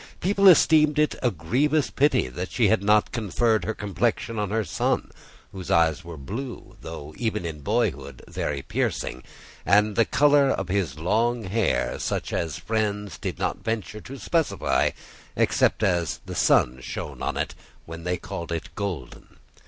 People esteemed it a grievous pity that she had not conferred her complexion on her son, whose eyes were blue—though, even in boyhood, very piercing—and the colour of his long hair such as friends did not venture to specify, except as the sun shone on it, when they called it golden.